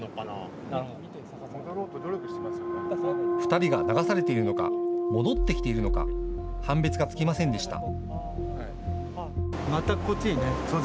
２人が流されているのか戻ってきているのか判別がつきませんでした。